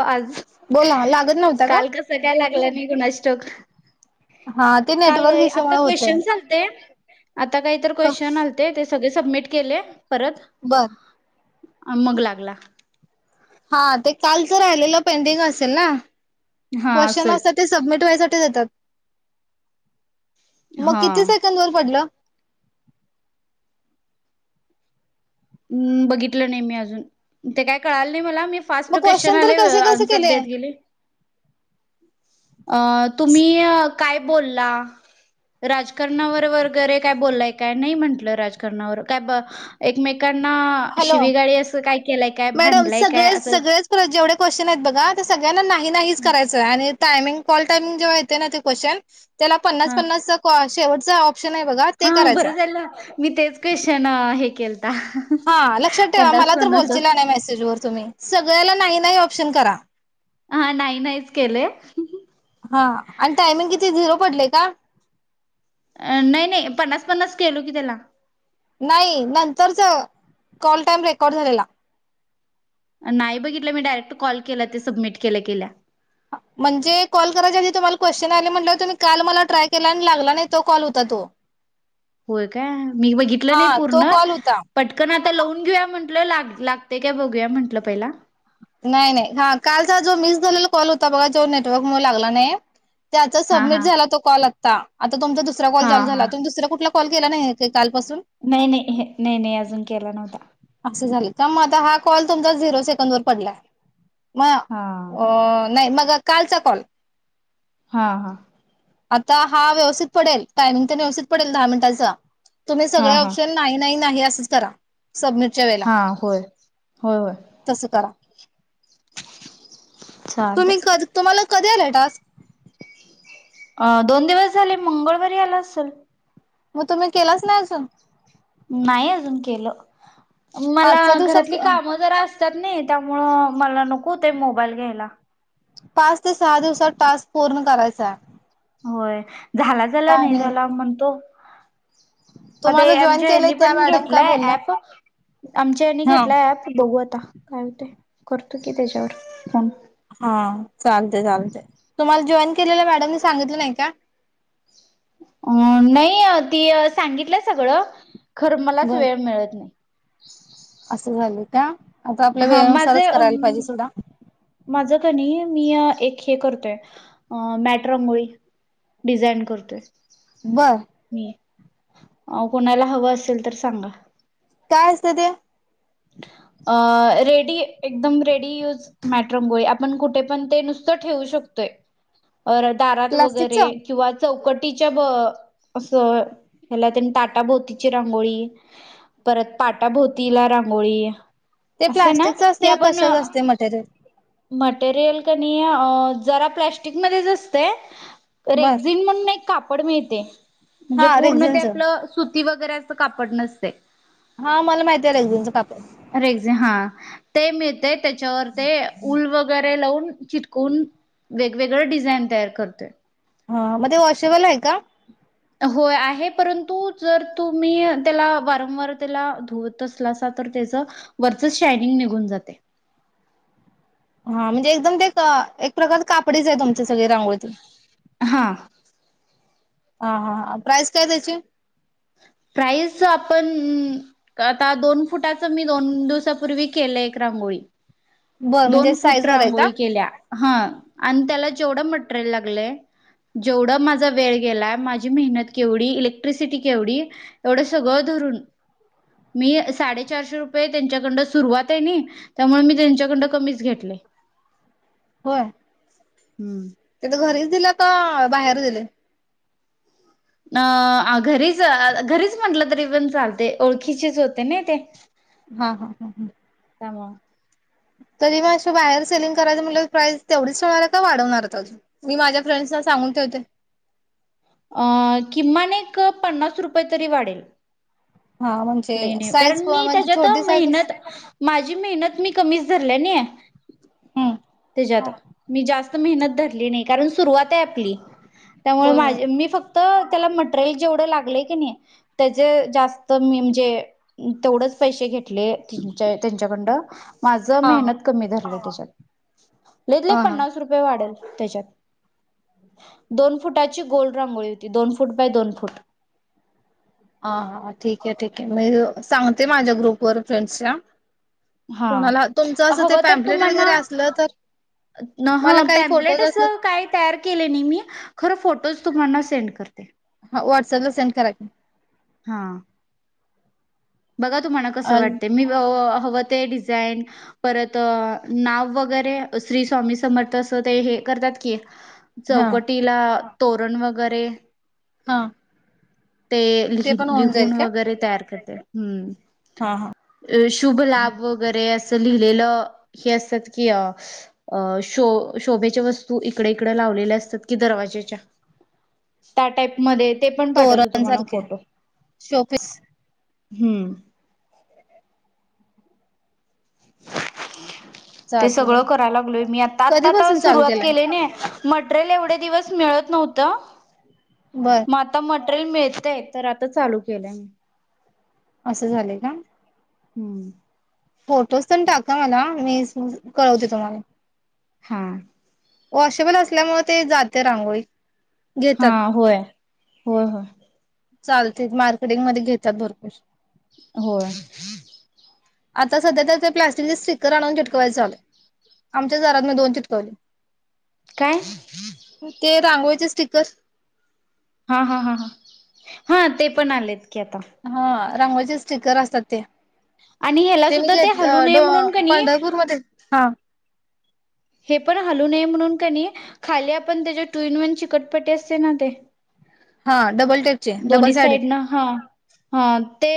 हो आज बोला लागत नव्हता का? काल कस काय लाग [unintelligible] कुणास ठाऊक हा ते काल नेटवर्क इशू आता मूळ होतय. क्वेश्चन्स आलते आता काही तर क्वेश्चन आलते सगळे सबमिट केले परत बर मग लागला हा ते कालच राहिलेलं पेंडिंग असेल ना हा क्वेश्चन असल असत ते सबमिट व्हायच ते देतात मग हा किती सेकंद वर पडलं? ह बघितलं नाही मी अजून ते काय कळाल नाही मला मी फास्ट मग क्वेशन क्वेश्चन तरी आले कसे कसे अन्सर केले? देत गेले. अ तुम्ही काय बोलला राजकारणावर वगैरे काय बोललाय काय नाही म्हंटलं राजकारणावर काय एकमे हॅलो काय मॅडम भांडलंय काय सगळेच असं सगळेच जेवढे क्वेश्चन आहेत बघा ते सगळ्यांना नाही नाहीच करायचं आणि टायमिंग कॉल टामिंग जेव्हा येते ना ते क्वेश्चन त्याला पन्नास हा पन्नासचा कॉस् शेवटचा ऑफ हा बरं झालं मी तेच क्वेश्चन हे [inaudible] हा लक्षात ठेवा पन्नास मला तर पन्नास बोलचीला नाही मेसेज वर तुम्ही सगळ्याला नाही नाही ऑप्शन करा. हा नाही नाहीच केलय. हा आणि टायमिंग किती झिरो पडलेय का? अं नाही नाही पन्नास पन्नास केलो की त्याला नाही नंतरच कॉल टाइम रेकॉर्ड झालेला नाही बघितलं मी डायरेक्ट कॉल केला ते सबमिट केलं केल्या म्हणजे कॉल करायच्या आधी तुम्हाला क्वेश्चन आले म्हटल तुम्ही काल मला ट्राय केला आणि लागला नाही तो कॉल होता तो होय काय मी बघितलं नाही हा तो पूर्ण कॉल होता पटकन आता लावून घेऊया म्हटल लागते काय बघूया म्हटलं पहिला नाही नाही हा कालचा जो मिस झालेला कॉल होता बघा जो नेटवर्क मूळ लागला नाही. त्याचा हा सबमिट हा झाला तो कॉल आता ता आता तुमचा दुसरा कॉल हा चालू हा झाला तुम्ही दुसरा कुठला कॉल केला नाही हाय काय? नाही नाही हे नाही नाही अजून केला नव्हता. असं झालं मग आता हा कॉल तुमचा झिरो सेकंद वर पडलाय मग हा अ नाही मग क कालचा कॉल हां हा आता हा व्यवस्थित पडेल टायमिंग तर व्यवस्थित पडेल दहा मिनिटाचं तुम्ही हा सगळे हा ऑप्शन नाईन नाईन आहे असेच करा सबमिटच्या वेळेला हा होय होय होय तसं करा [inaudible] चालतंय तुम्ही कर तुम्हाला कधी आलाय टास्क अ दोन दिवस झाले मंगळवारी आला असल मग तुम्ही केलाच नाही अजून नाही अजून केलं मला पाच सहा दिवसात घरातली कामं जरा त्याच्या मुळ मला नको ते मोबाईल घ्यायला पाच ते सहा दिवसात टास्क पूर्ण करायचा आहे होय झाला झाला नाही टायमिंग झाला म्हणतो [inaudible] तुम्हाला जॉईन केलंय यांनीनी त्या पण मॅडम काय घेतलाय बोलल्या ऍप आमच्या यांनीनी हा घेतला ऍप बघू आता काय होते करतो की त्याच्यावर फोन हा चालतय चालतय तुम्हाला जॉईन केलेल्या मॅडमनी सांगितलं नाही का अ नाही ती सांगितलं सगळं खर मलाच बर वेळ मिळत नाही. [inaudible] झालं का. आता आपल्या हा वेळेनुसारच माझे करायला पाहिजे सुद्धा माझं कणी मी एक हे करतोय मॅटरमुळे डिझाईन करतोय. बरं. मी अ कोणाला हवं असेल तर सांगा. काय असतं ते अ रेडी एकदम रेडी युज मॅट्रम गोळी आपण कुठे पण ते नुसतं ठेवू शकतोय. अ दारात वगैरे प्लास्टिकच किंवा चौकट [unintelligible] ताटाभोवतीची रांगोळी परत पाटाभोवतीला रां मोळी ते प्लास्टिकच असते कशाच असते मटेरियल मटेरियल किनई अं जरा प्लॅस्टिकमध्येचं असतय. बर रेक्झिन म्हणून नाही का. पट मिळते. म्हणजे हा पूर्ण ते रेक्झिनचं आपल सूद ती वगैरे असं कापड नसते. हा मला म्हाईत्याय रेक्सिंनच रेक्सझी हा. ते मी ते तेच्यावर ते उल वगैरे. लावून चिटकून वेगवेगळ डिझाईन तयार करतोय. हा म ते वॉशेबल हाय का. होय आहे परंतु जर तुम्ही त्याला वारंवार त्याला धुवत असलासा तर त्याच वरच शायनिंग निघून जातय. हा म्हणजे एकदम ते एक प्रकार कापडीच आहे तुम सगळे रांगोळीत. हा. हा हा ह प्राईस काय त्याची प्राईज आपणण का आता दोन फुटाचं मी दोन दिवसापूर्वी केल एक रांगोळी बर म्हणजे दोन साईज फुट वर आहे का रांगोळी केल्या ह आणि त्याला जेवढ मटरेल लागलय जेवढ माझ वेळ गेला माझी मेहत केवढी इलेक्ट्रिसिटी केवढी एवढ सगळ धरून मी साडे चारशे रुपये त्यांच्याकंड सुरुवात हाय नि त्यामुळे मी त्यांच्याकंड कमीच घेटलय होय. हम्म. तीथ घरीच दिला का बाहेर दिलय. अ आ घरी च, घरीच म्हंटल तरी पण चालतय ओळखीचेच होते नाय ते हा हा हा हम त्यामुळ तरी मं बाहेर सेलिंग करायच म्हंटल्यावर प्राईस तेवढीच ठेवणारेत का वाढवणार आहेत, अजून मी माझ्या फ्रेंडसना सांगून ठेवते अ किमान एक पन्नास रुपये तरी वाढेल हा म्हणजे लई नाई कारण साईज मी म्हणजे त्याच्यात छोटी साईज अस. मेहनत माझी मेहनत मी कमीच धरलय नी हम्म ज्यादा मी जास्त मेहनत धरली नाही, कारण सुरवात आय आपली त्यामुळे होय होय माझे मी फक्त तेला मटरेल जेवढ लागले कणी, तेज जास्त मी म्हणजे तेवढच पैशे घेत [unintelligible] त्यांच्याकंड [inaudible] माझं हा मेहनत कमी धरलय त्याच्यात. लाइत लय हा हा हा पन्नास रुपये वाढेल. त्याच्यात, दोन फुटाची गोल रांगोळी होती. दोन फुट बाय दोन फुट. हा हा ठीके आहे ठीके मी सांगते, माझ्या ग्रुप व फ्रेंडसना. हा हवं तर तुम्हाना वगैरे असलं तर ना, मला हा काही पॅम्प्लेट फोटोज असले असं काय तयार केले नाय, मी खरं फोटोज. तुम्हाना सेंड करते. हा वाट्सपला सेंड करा की. हा बघा तुम्हाला कसं अ वाटते मी [unintelligible] हवं ते डिझाईन, परत नाव वगैरे श्री स्वामी समर्थ असं ते हे करतात की. हा चौकटीला. तोरण वगैरे. हा. ते लिह ते पण होऊन जाईल लिहून का वगैरे तयार करते. हा हा हम्म अ शुभ लाभ वगैरे अस. लिहिलेलं हे असतात, की शो शोभेच्या वस्तू इकडे इकडे लावलेल्या असतात की, दरवाजच्या त्या टाईप मध्ये. तोरण सारखे शोपीस. हम्म. [unintelligible] ते चालते सगळं चालते करायला लागलोय मी, आता आता आता कधीपासून चालू सुरुवात केलाय केलय नी. मटरेल एवढे दिवस मिळत नव्हतं. बर मत मट रेल मिळतय तर आता चालू केलंय. असं झालंय का. हम्म फोटोज तेन टाका मला मी कळवते तुम्हाला. हा. वॉशेबल असल्यामुळे ते जाते रांगोळी. हा घेतात होय. हो हो चालते मार्केटिंग मध्ये घेतात भरपूर. हो. आता सध्या तर ते प्लास्टिकचे स्टिकर आणून चिटकवायचं आले आमच्या दारात मी दोन चिटकवले. काय ते रांगोळीचे स्टीकर हा हा हा ह हा ते पण आलेत. की आता हा रांगोळीचे स्टिकर अस तात ते आणि ह्याला ते मी सुद्धा घेतल हलू नये डो म्हणून कणी पंढरपूरमध्ये हा हे पण हालू नये म्हणून कणी खाली आपण त्याच्या टू इन वन चिकटपटी असते ना ते हा डबल टेकचे डबल दोन्ही साईड ना हा हा ते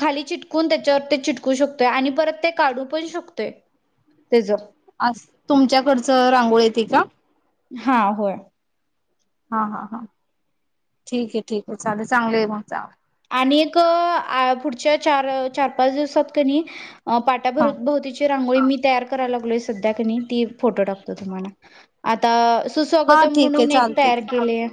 खाली चिटकून त्याच्यावर ते चिटकू शकतोय आणि परत ते काढू पण शकतोय त्याच अस तुमच्याकडचं रांगोळी येते का? हा होय हा हा हा ठीक आहे ठीक आहे चालेल चांगली आहे मग जावा आणि एक पुढच्या चार चार पाच दिवसात कणी अ पाटा हा भर बहुतीची रांगोळी मी तयार करायला लागलोय सध्या कणी ती फोटो टाकतो तुम्हाला आता हा सुस्वागतम ठीक आहे म्हणून एक चालते तयार की केले आहे.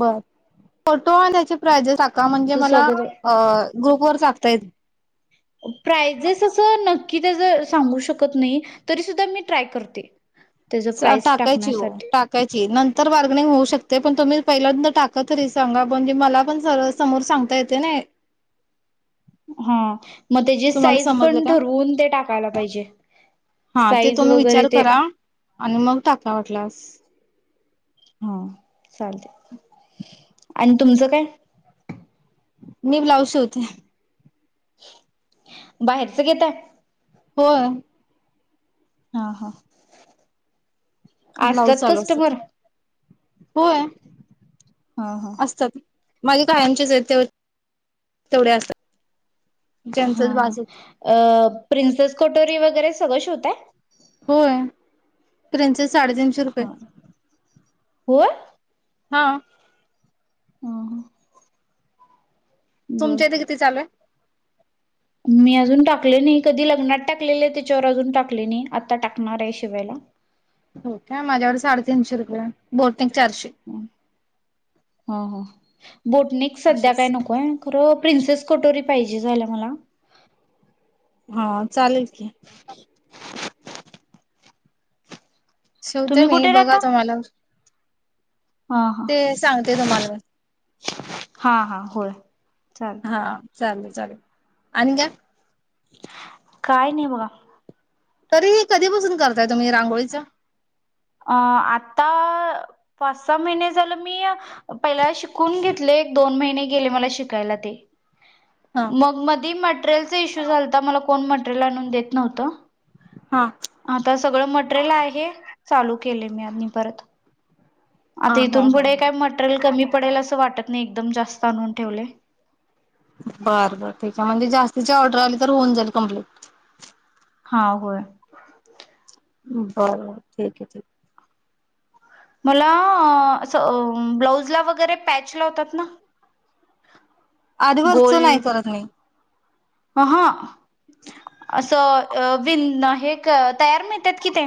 बर, फोटो त्याची प्रायजेस टाक का म्हणजे मला सुस्वागत ग्रुप वर सांगता येत. प्रायजेस असं नक्की त्याच सांगू शकत नाही तरी सुद्धा मी ट्राय करते. त्याच प्राईज टाकायची हो टाकण्यासाठी टाकायची नंतर बार्गनिंग होऊ शकते पण तुम्ही पहिल्यांदा टाका तरी सांगा म्हणजे मला पण समोर सांगता येते ना हा मग त्याची तुम्हाला साईज समजलं पण का ठरवून ते टाकायला पाहिजे हा ते साईज तुम्ही वगैरे विचार ते करा आणि मग टाका वाटलास हा चालते आणि तुमचं काय मी ब्लाऊज शीवते बाहेरचं घेताय होय हा, हा ब्लाऊज असतात चालू कस्टमर होय हा हा असतात माझे कायमचेच आहेत ते तेवढे असतात हा, ज्यांचच बास होते हा अह प्रिन्सेस कटोरी वगैरे सगळं शिवताय होय प्रिनसेस साडेतीनशे रुपये हा होय हा बर तुमच्या इथे किती चालूये मी अजून टाकले नाही कधी लग्नात टाकलेले आहे त्याच्यावर अजून टाकले नाही आता टाकणार आहे शिवायला हो का माझ्यावर साडेतीनशे रुपये आहे बोल ते चारशे ह, ह बोटनिक सध्या काय असेच नकोय खरं प्रिन्सेस कटोरी पाहिजे झालं मला हा चालेल [inaudible] शिवते तुम्ही मी कुठे बघा राहता? तुम्हाला हा हा ते सांगते तुम्हाला मी हा, हा होय चाल हा चालेल चालेल आणि काय काय नाही बघा तरी कधीपासून करताय तुम्ही रांगोळीच अ आता पाच सहा महिने झालं मी पहिल्या शिकून घेतले एक दोन महिने गेले मला शिकायला ते मग हा मधीमध मटेरियलचा इशू झालता मला कोण मटेरियल आणून देत नव्हतं आता सगळं मट मट्रेल आहे. चालू केलय मी आणि परत हा आता हा इथून हा पुढे हा काय मटरेल कमी प पडेल असं वाटत नाही एकदम जास्त आणून ठेवले बर बर ठीक हाय म्हणजे जास्त तिची ऑर्डर आली तर होऊन जाईल कंप्लीट हा होय. बर ठीक हय ठीक हय. मला असं ब्लाउज ला वगैरे पॅच लावतात ना आरीवर्कच नाही करत मी अहं. असं अ विन हे एक तयार मिळत्यात की ते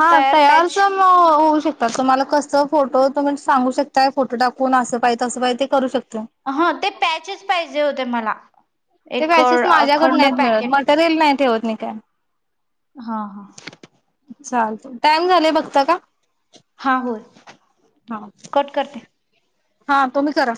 हा तयार तयारच पॅच म होऊ शकत. तसं तुम्हाला कसं फोटो, तुम्ही सांगू शकताय फोटो टाकून असं पाहिजे तसं पाहिजे, ते करू शक ह ते पॅचेस पाहिजे होते मला. ते एक प्राइसेस माझ्याकड अखंड नाहीत मिळत, पॅकेट मटेरियल नाही ठेवत मी. ठी काय? हा हा. चालतंय, टाइम झालय बघता का? हा होय, हा कट करते. हा तु्म्ही करा.